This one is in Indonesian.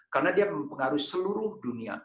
karena dia mempengaruhi seluruh dunia